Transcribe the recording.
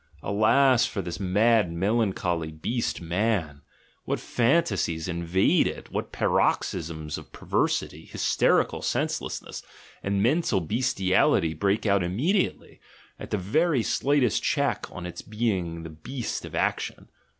Alas for this mad melan choly beast man! What phantasies invade it, what par oxysms of perversity, hysterical senselessness, and mental bestiality break out immediately, at the very slightest check on its being the beast of action